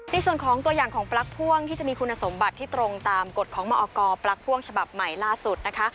ในส่วนของตัวอย่างของปลั๊กพ่วงที่จะมีคุณสมบัติที่ตรงตามกฎของมอกปลั๊กพ่วงฉบับใหม่ล่าสุดนะคะ